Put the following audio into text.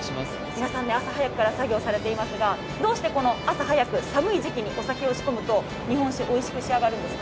皆さん朝早くから作業されていますが、どうして朝早く寒い時期に仕込むとおいしいお酒ができるんですか。